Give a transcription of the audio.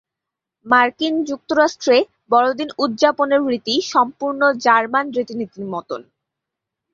মার্কিন যুক্তরাষ্ট্রে বড়দিন উদযাপনের রীতি সম্পূর্ণ জার্মান রীতিনীতির মতন।